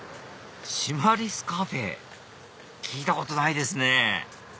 シマリスカフェ聞いたことないですね